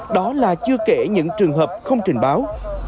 đó là chưa kể những trường hợp không trình báo